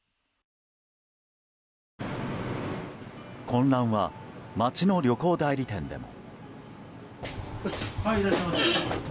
混乱は、街の旅行代理店でも。